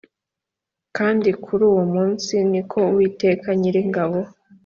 kandi kuri uwo munsi ni ko uwiteka nyiringabo